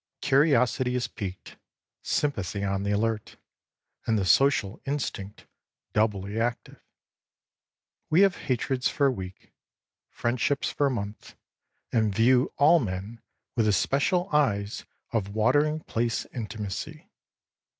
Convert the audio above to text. Curiosity is piqued, sympathy on the alert and the social instinct doubly active. We have hatreds for a week, friendships for a month, and view all men with the special eyes of watering place intimacy.